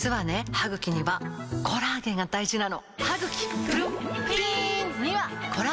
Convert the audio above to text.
歯ぐきにはコラーゲンが大事なの！